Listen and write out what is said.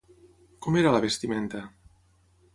Com era la vestimenta?